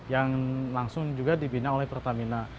yang langsung juga dibina oleh pertamina